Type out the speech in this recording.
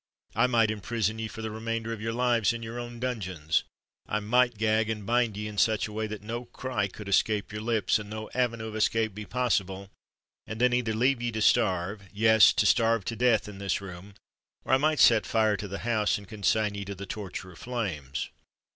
I might imprison ye for the remainder of your lives in your own dungeons: I might gag and bind ye in such a way that no cry could escape your lips, and no avenue of escape be possible, and then either leave ye to starve—yes, to starve to death in this room; or I might set fire to the house and consign ye to the torture of flames!"